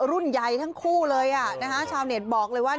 รุ่นใหญ่ทั้งคู่เลยอ่ะนะฮะชาวเน็ตบอกเลยว่า